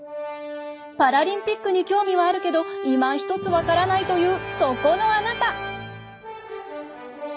パラリンピックに興味はあるけど今ひとつ分からないというそこのあなた！